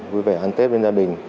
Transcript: vui vẻ ăn tết bên gia đình